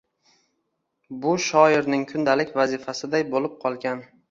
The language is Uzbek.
Bu – shoirning kundalik vazifasiday bo‘lib qolgan.